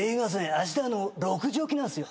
あした６時起きなんすよ。